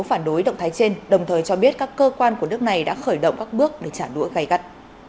phản đối động thái trên đồng thời cho biết các cơ quan của nước này đã khởi động các bước để trả đũa gây gắt